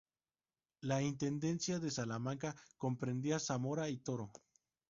La Intendencia de Salamanca comprendía Zamora y Toro.